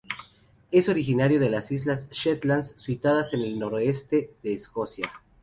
Es originario de las islas Shetland, situadas al noreste de Escocia.